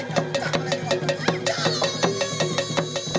selepas mulai kita 'kwena' lal tribeanii'